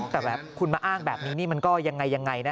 แต่แบบคุณมาอ้างแบบนี้มันก็ยังไงนะฮะ